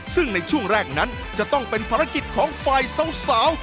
ซึ่งในช่วงแรกนั้นจะต้องเป็นภารกิจของฝ่ายสาว